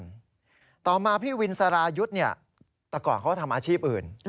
เพราะว่าพี่วินสารายุทเนี่ยตะก่อนเค้าทำอาชีพอื่น